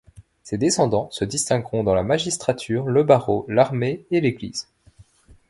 Ses descendants se distingueront dans la magistrature, le barreau, l'armée, l'Église.